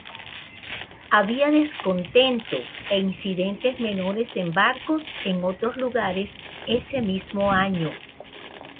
Había descontento e incidentes menores en barcos en otros lugares ese mismo año.